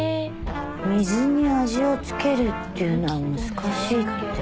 水に味をつけるっていうのは難しいって。